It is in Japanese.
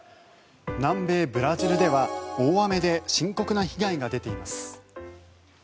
南米ブラジルでは大雨で深刻な被害が出ています。